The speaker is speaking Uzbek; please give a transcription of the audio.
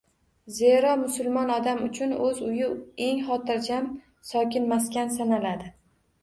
Zero, musulmon odam uchun o‘z uyi eng xotirjam, sokin maskan sanaladi.